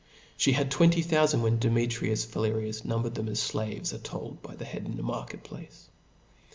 She had twenty thoufand when Demetrius Phalereus numbered them*, as flaves are told by the head in a market* place.